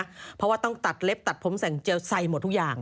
เพราะว่าต้องตัดเล็บตัดผมแสงเจลไซหมดทุกอย่าง